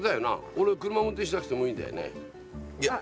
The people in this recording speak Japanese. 俺車運転しなくてもいいんだよね？